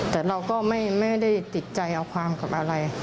แต่เราก็ไม่ได้ติดใจเอาความกับอะไร